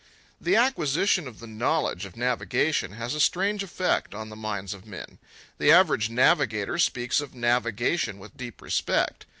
The acquisition of the knowledge of navigation has a strange effect on the minds of men. The average navigator speaks of navigation with deep respect.